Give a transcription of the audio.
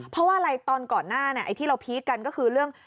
เพราะว่าอะไรตอนก่อนหน้าไอ้ที่เราพีคกันก็คือเรื่อง